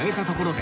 で